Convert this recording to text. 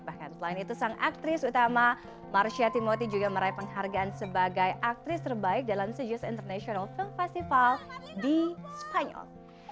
bahkan selain itu sang aktris utama marcia timoti juga meraih penghargaan sebagai aktris terbaik dalam sejus international film festival di spanyol